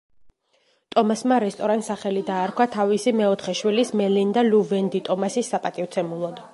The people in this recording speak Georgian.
ტომასმა რესტორანს სახელი დაარქვა თავისი მეოთხე შვილის მელინდა ლუ „ვენდი“ ტომასის საპატივცემულოდ.